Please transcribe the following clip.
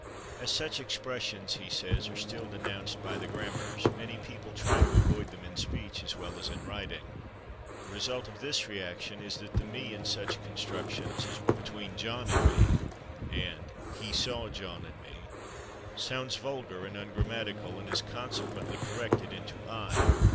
"As such expressions," he says, "are still denounced by the grammars, many people try to avoid them in speech as well as in writing. The result of this reaction is that the /me/ in such constructions as 'between John and /me/' and 'he saw John and /me/' sounds vulgar and ungrammatical, and is consequently corrected into /I